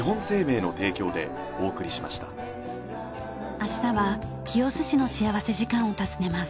明日は清須市の幸福時間を訪ねます。